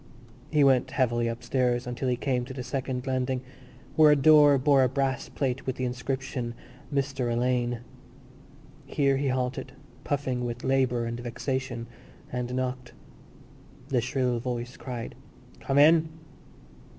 He went heavily upstairs until he came to the second landing, where a door bore a brass plate with the inscription Mr Alleyne. Here he halted, puffing with labour and vexation, and knocked. The shrill voice cried: "Come in!"